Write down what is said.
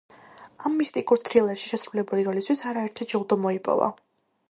ამ მისტიკურ თრილერში შესრულებული როლისთვის არაერთი ჯილდო მოიპოვა.